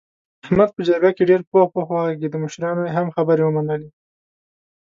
احمد په جرګه کې ډېر پوخ پوخ و غږېدا مشرانو یې هم خبرې ومنلې.